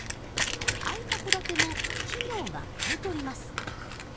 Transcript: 空いた戸建ても企業が買い取ります。